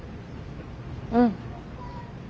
うん。